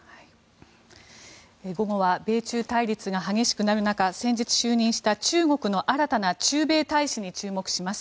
午後は米中対立が激しくなる中先日就任した中国の新たな駐米大使に注目します。